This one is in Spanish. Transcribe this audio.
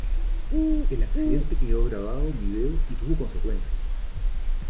El accidente quedó grabado en video y tuvo consecuencias.